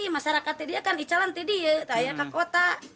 masyarakat ini akan mencari air ke kota